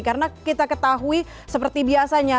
karena kita ketahui seperti biasanya